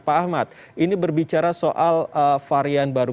pak ahmad ini berbicara soal varian baru